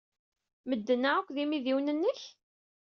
Medden-a akk d imidiwen-nnek?